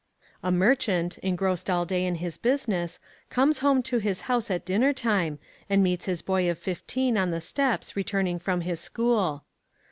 A merchant, engrossed all day in his business, comes home to his house at dinner time, and meets his boy of fifteen on the steps returning from his school.